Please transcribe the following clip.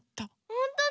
ほんとだ！